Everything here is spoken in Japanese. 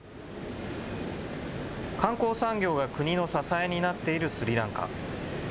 観光産業が国の支えになっているスリランカ。